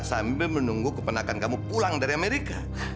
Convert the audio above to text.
sambil menunggu kepenakan kamu pulang dari amerika